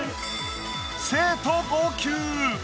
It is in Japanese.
生徒号泣。